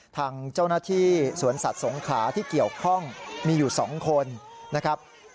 ทางเจ้าหน้าที่สวนสัตว์สงขลาที่เกี่ยวข้องมีอยู่๒คนนะครับ